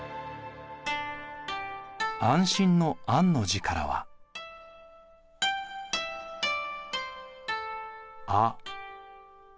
安心の「安」の字からは「あ」。